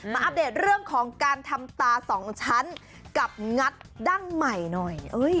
อัปเดตเรื่องของการทำตาสองชั้นกับงัดดั้งใหม่หน่อย